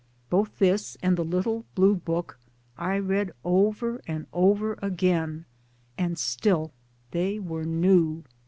Both this and the little blue book I read over and over again, and still they were new.